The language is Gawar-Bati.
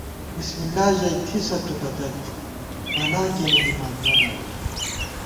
بِسمِ اللہ ژَئی تھِسہ تُو ہَدَت بلا کېنےدِمان مَلہ ووئی